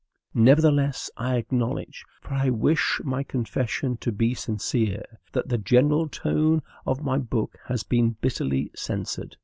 Nevertheless, I acknowledge for I wish my confession to be sincere that the general tone of my book has been bitterly censured.